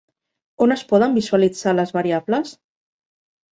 On es poden visualitzar les variables?